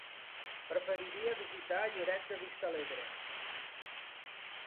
Preferiria visitar Lloret de Vistalegre.